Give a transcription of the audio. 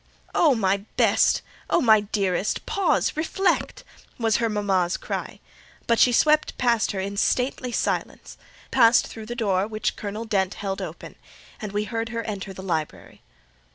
"Oh, my best! oh, my dearest! pause—reflect!" was her mama's cry; but she swept past her in stately silence, passed through the door which Colonel Dent held open, and we heard her enter the library.